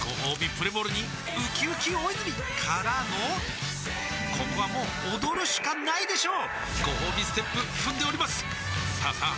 プレモルにうきうき大泉からのここはもう踊るしかないでしょうごほうびステップ踏んでおりますさあさあ